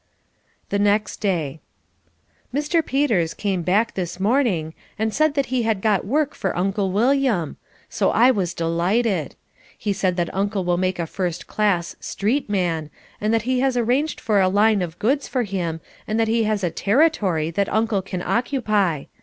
The Next Day Mr. Peters came back this morning and said that he had got work for Uncle William. So I was delighted. He said that Uncle will make a first class "street man," and that he has arranged for a line of goods for him and that he has a "territory" that Uncle can occupy.